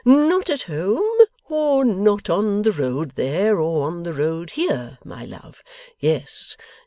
'Not at home, or not on the road there, or on the road here, my love. Yes.